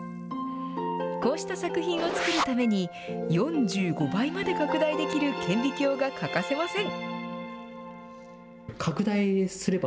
こうした作品を作るために４５倍まで拡大できる顕微鏡が欠かせません。